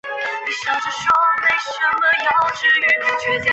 唐弢的散文作品曾收录于中国大陆中小学及大学语文教材。